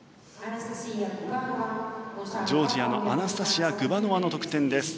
ジョージアのアナスタシヤ・グバノワの得点。